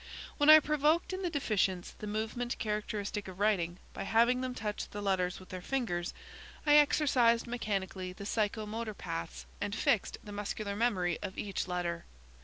When I provoked in the deficients the movements characteristic of writing by having them touch the letters with their fingers, I exercised mechanically the psycho motor paths, and fixed the muscular memory of each letter.